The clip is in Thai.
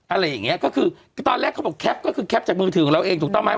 อะไรอย่างเงี้ยก็คือตอนแรกเขาบอกแคปก็คือแคปจากมือถือของเราเองถูกต้องไหม